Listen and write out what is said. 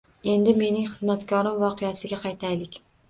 Endi mening xizmatkorim voqeasiga qaytaylik